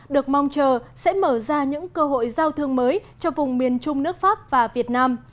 được mong chờ sẽ mở ra những cơ hội giao thương mới cho vùng miền trung nước pháp và việt nam